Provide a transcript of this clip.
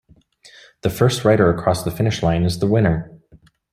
The first rider across the finish line is the winner.